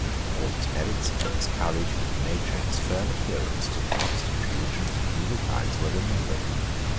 All his merits, his courage, his good nature, his firm adherence to the Protestant religion in the evil times, were remembered.